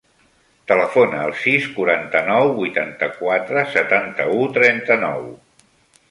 Telefona al sis, quaranta-nou, vuitanta-quatre, setanta-u, trenta-nou.